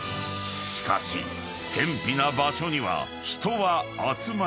［しかし辺ぴな場所には人は集まらない］